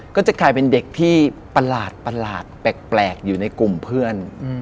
ก็จะกลายเป็นเด็กที่ประหลาดแปลกอยู่ในกลุ่มเพื่อน